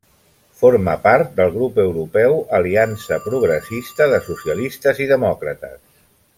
Forma part del grup europeu Aliança Progressista de Socialistes i Demòcrates.